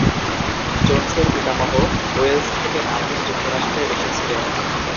জোন্সের পিতামহ ওয়েলস থেকে মার্কিন যুক্তরাষ্ট্রে এসেছিলেন।